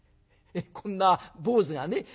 「こんな坊主がね